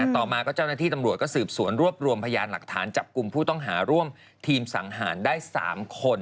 ต่อมาก็เจ้าหน้าที่ตำรวจก็สืบสวนรวบรวมพยานหลักฐานจับกลุ่มผู้ต้องหาร่วมทีมสังหารได้๓คน